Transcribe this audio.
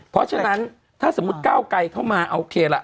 เพราะฉะนั้นถ้าสมมุติก้าวไกลเข้ามาโอเคล่ะ